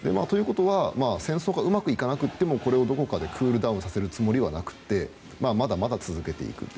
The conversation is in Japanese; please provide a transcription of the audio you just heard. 戦争がうまくいかなくてもこれをどこかでクールダウンさせるつもりはなくってまだまだ続けていく。